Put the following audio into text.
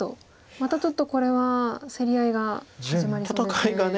またちょっとこれは競り合いが始まりそうですね。